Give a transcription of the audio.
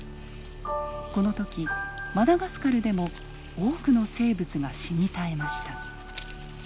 この時マダガスカルでも多くの生物が死に絶えました。